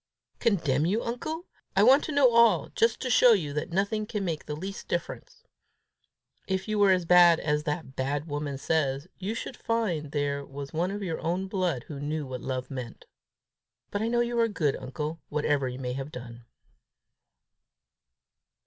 "Condemn you, uncle! I want to know all, just to show you that nothing can make the least difference. If you were as bad as that bad woman says, you should find there was one of your own blood who knew what love meant. But I know you are good, uncle, whatever you may have done."